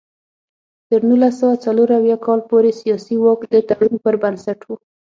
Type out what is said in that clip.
تر نولس سوه څلور اویا کال پورې سیاسي واک د تړون پر بنسټ و.